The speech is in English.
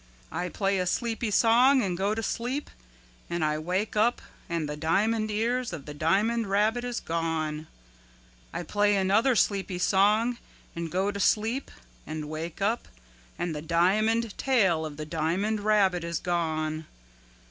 I play a sleepy song and go to sleep and I wake up and the diamond ear of the diamond rabbit is gone. I play another sleepy song and go to sleep and wake up and the diamond tail of the diamond rabbit is gone.